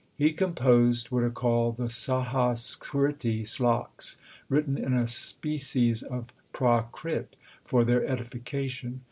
He composed what are called the Sahaskriti sloks, written in a species of Prakrit, for their edification.